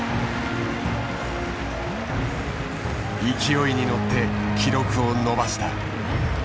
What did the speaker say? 勢いに乗って記録を伸ばした。